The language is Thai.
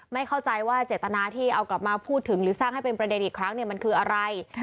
ไม่เข้าใจว่าเจตนาที่เอากลับมาพูดถึงหรือสร้างให้เป็นประเด็นอีกครั้งมันคืออะไร